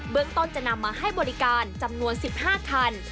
ต้นจะนำมาให้บริการจำนวน๑๕คัน